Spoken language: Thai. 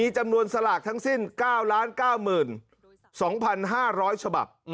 จำนวนสลากทั้งสิ้น๙๙๒๕๐๐ฉบับ